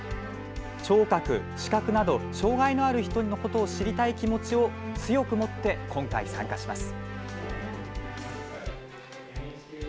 聴覚、視覚など障害のある人のことを知りたい気持ちを強く持って今回、参加します。